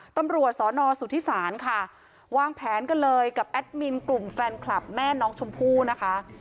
ตำรวจสอนอสุทธิศาลค่ะวางแผนกันเลยกับแอดมินกลุ่มแฟนคลับแม่น้องชมพู่นะคะ